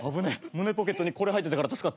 胸ポケットにこれ入ってたから助かった。